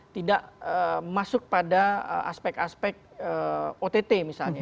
tidak masuk pada aspek aspek ott misalnya